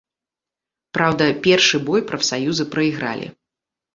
Праўда, першы бой прафсаюзы прайгралі.